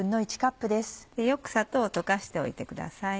よく砂糖を溶かしておいてください。